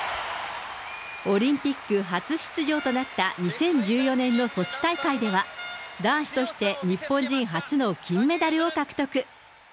オリンピック初出場となった２０１４年のソチ大会では、男子として日本人初の金メダルを獲得。